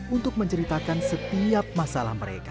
untuk menceritakan setiap masalah mereka